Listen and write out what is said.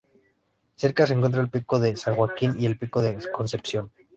Cerca se encuentran el Pico de san Joaquín y el Pico de la Concepción.